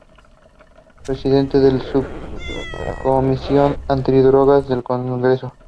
Presidente de la Subcomisión Antidrogas del Congreso.